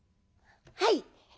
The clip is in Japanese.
「はい。